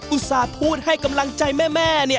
อุตส่าห์พูดให้กำลังใจแม่